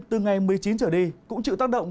từ ngày một mươi chín trở đi cũng chịu tác động